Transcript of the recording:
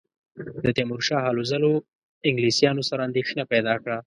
د تیمورشاه هلو ځلو انګلیسیانو سره اندېښنه پیدا کړه.